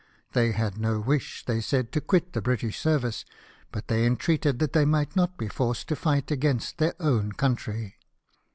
" They had no wish/' they said, " to quit the British service ; but they entreated that they might not be forced to fight against their own country."